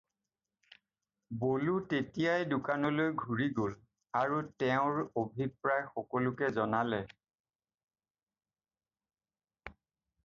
বলো তেতিয়াই দোকানলৈ ঘূৰি গ'ল আৰু তেওঁৰ অভিপ্ৰায় সকলোকে জনালে।